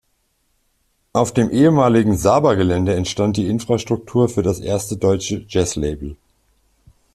Auf dem ehemaligen Saba-Gelände entstand die Infrastruktur für das erste deutsche Jazzlabel.